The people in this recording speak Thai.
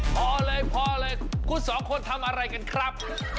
พอเลยพอเลยคุณสองคนทำอะไรกันครับ